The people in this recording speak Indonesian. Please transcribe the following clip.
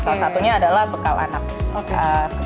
bekal anak nasi kepal ala korea